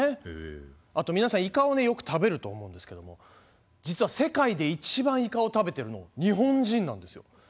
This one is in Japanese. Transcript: あと皆さんイカをねよく食べると思うんですけども実は世界で一番イカを食べてるの日本人なんですよ。